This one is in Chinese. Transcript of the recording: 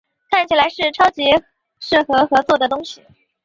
看起来是超级适合合作的东西